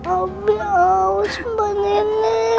abi haus mbak nenek